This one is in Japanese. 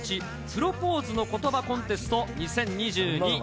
プロポーズの言葉コンテスト２０２２。